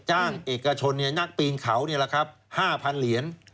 เอกชนนักปีนเขา๕๐๐เหรียญ